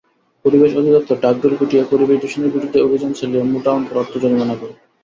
পরিবেশ অধিদপ্তর ঢাকঢোল পিটিয়ে পরিবেশদূষণের বিরুদ্ধে অভিযান চালিয়ে মোটা অঙ্কের অর্থ জরিমানা করে।